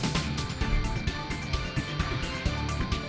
dan ketiga dengan mengonsumsi daging hewan yang positif terkena antraks